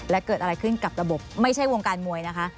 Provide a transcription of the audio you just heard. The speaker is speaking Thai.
และเกิดอะไรขึ้นกับระบบไม่ใช่วงการมวยนะคะ